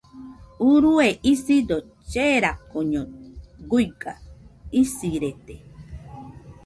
Urue isido cherakoño guiga , isirede.